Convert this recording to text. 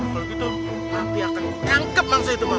kalau gitu nanti aku tangkap mangsa itu mam